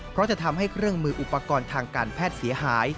เพราะจะทำให้เครื่องมืออุปกรณ์ทางการแพทย์เสียหาย